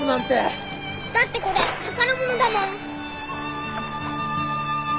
だってこれ宝物だもん。